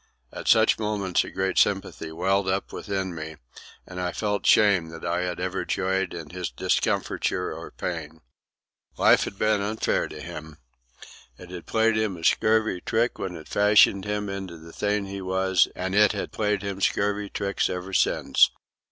At such moments a great sympathy welled up within me, and I felt shame that I had ever joyed in his discomfiture or pain. Life had been unfair to him. It had played him a scurvy trick when it fashioned him into the thing he was, and it had played him scurvy tricks ever since.